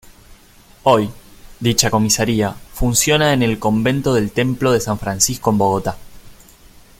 Hoy, dicha Comisaría funciona en el convento del templo de San Francisco en Bogotá.